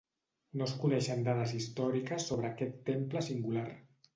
No es coneixen dades històriques sobre aquest temple singular.